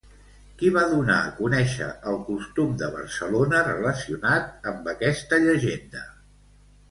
Qui va donar a conèixer el costum de Barcelona relacionat amb aquesta llegenda?